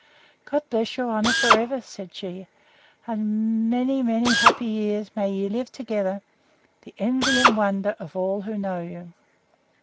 God bless your honour for ever! said she; and many many happy years may ye live together, the envy and wonder of all who know you!